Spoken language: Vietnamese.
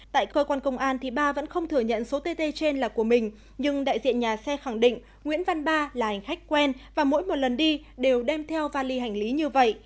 tại cơ quan công an ba vẫn không thừa nhận số tt trên là của mình nhưng đại diện nhà xe khẳng định nguyễn văn ba là hành khách quen và mỗi một lần đi đều đem theo vali hành lý như vậy